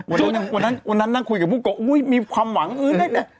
วันนั้นน่าคุยกับผู้โก๊ะอุ๊ยมีความหวังอื่น